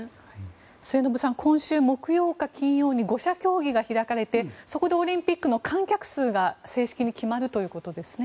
末延さん今週木曜日か金曜日に５者協議が開かれてそこでオリンピックの観客数が正式に決まるということですね。